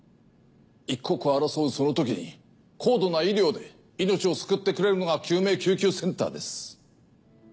一刻を争うそのときに高度な医療で命を救ってくれるのが救命救急センターです。